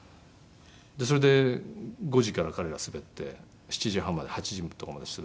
それで５時から彼が滑って７時半まで８時とかまで滑って。